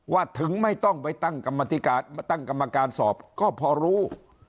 ว่าถึงไม่ต้องไปตั้งกรรมการสอบก็พอรู้